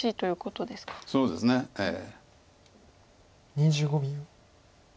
２５秒。